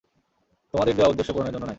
তোমাদের দেওয়া উদ্দেশ্য পূরণের জন্য নয়।